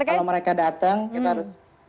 kalau mereka datang kita harus